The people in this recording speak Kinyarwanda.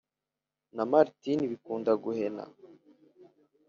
na maritini bikundaguhena